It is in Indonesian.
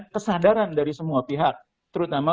kesadaran dari semua pihak terutama